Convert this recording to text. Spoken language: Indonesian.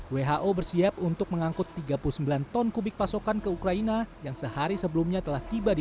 who bersiap untuk mengangkut tiga puluh sembilan ton kubik pasokan ke ukraina yang sehari sebelumnya telah tiba di